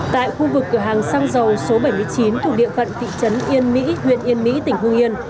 tại khu vực cửa hàng xăng dầu số bảy mươi chín thuộc địa phận thị trấn yên mỹ huyện yên mỹ tỉnh hương yên